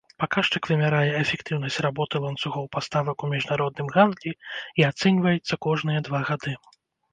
Паказчык вымярае эфектыўнасць работы ланцугоў паставак у міжнародным гандлі і ацэньваецца кожныя два гады.